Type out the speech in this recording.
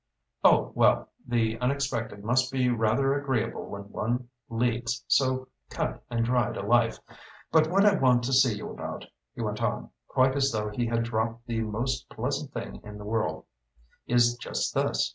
"Oh well, the unexpected must be rather agreeable when one leads so cut and dried a life. But what I want to see you about," he went on, quite as though he had dropped the most pleasant thing in the world, "is just this.